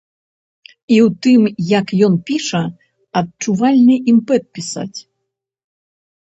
І ў тым, як ён піша, адчувальны імпэт пісаць.